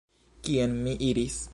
Kien mi iris?